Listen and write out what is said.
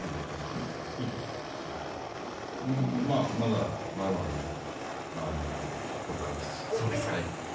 いや、まだまだだねこれからです。